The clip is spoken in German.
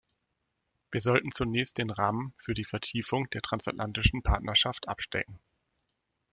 Wir sollten zunächst den Rahmen für die Vertiefung der transatlantischen Partnerschaft abstecken.